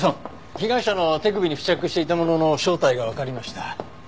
被害者の手首に付着していたものの正体がわかりました。